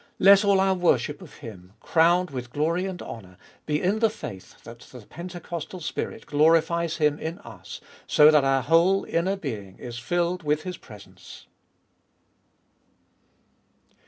Let all our worship of Him, crowned with glory and honour, be in the faith that the Pentecostal Spirit glorifies Him in us, so that our whole inner being is filled with His presence.